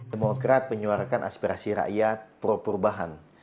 demokrat menyuarakan aspirasi rakyat pro perubahan